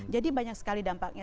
jadi banyak sekali dampaknya